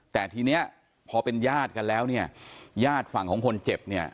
แต่ทีนี้พอเป็นญาติกันแล้วเนี่ยญาติฝั่งของคนเจ็บเนี่ย